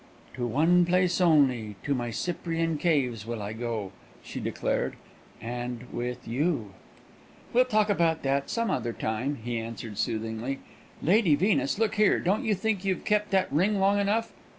"To one place only, to my Cyprian caves, will I go," she declared, "and with you!" "We'll talk about that some other time," he answered, soothingly. "Lady Venus, look here, don't you think you've kept that ring long enough?